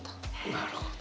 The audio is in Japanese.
なるほど。